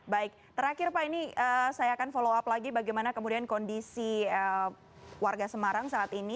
baik terakhir pak ini saya akan follow up lagi bagaimana kemudian kondisi warga semarang saat ini